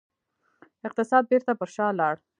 اقتصاد بیرته پر شا لاړ.